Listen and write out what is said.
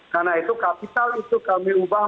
karena itu kapital itu kami ubah